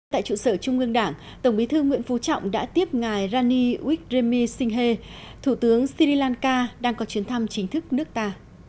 tại trụ sở trung ương đảng tổng bí thư nguyễn phú trọng đã tiếp ngài rani wik dreami singhe thủ tướng sri lanka đang có chuyến thăm chính thức nước ta